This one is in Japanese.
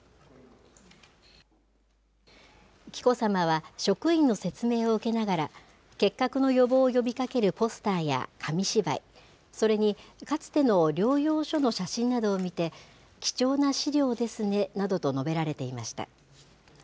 紀子さまは職員の説明を受けながら、結核の予防を呼びかけるポスターや紙芝居、それにかつての療養所の写真などを見て、貴重な資料ですねなどと述べられていました。